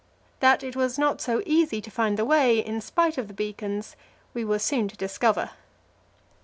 That it was not so easy to find the way, in spite of the beacons, we were soon to discover.